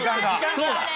そうだ！